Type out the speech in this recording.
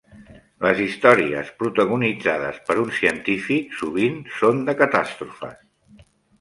Les històries protagonitzades per un científic sovint són de catàstrofes.